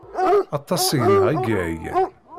Aṭas seg-neɣ ay yeɛyan.